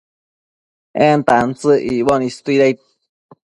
en tantsëc icboc istuidaid